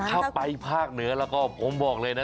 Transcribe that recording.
ถ้าไปภาคเหนือแล้วก็ผมบอกเลยนะ